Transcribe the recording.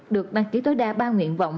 được đăng ký tối đa ba nguyện vọng